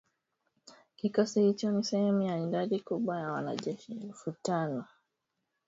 Kikosi hicho ni sehemu ya idadi kubwa ya wanajeshi elfu tano wa Marekani